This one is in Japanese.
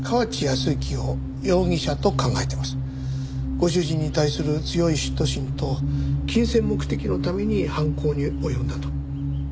ご主人に対する強い嫉妬心と金銭目的のために犯行に及んだと。